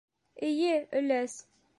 Эйе, өләс!